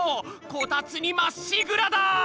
こたつにまっしぐらだ！